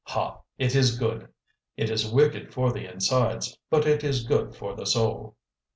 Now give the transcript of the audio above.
"Ha, it is good! It is wicked for the insides, but it is good for the soul."